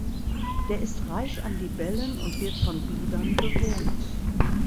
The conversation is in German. Der ist reich an Libellen und wird von Bibern bewohnt.